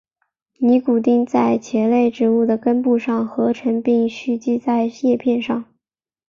尼古丁在茄科植物的根部上合成并蓄积在叶片上。